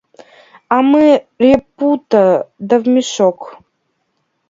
А мы репу-то да в мешок!